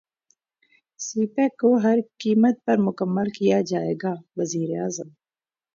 سی pack کو ہر قیمت پر مکمل کیا جائے گا وزیراعظم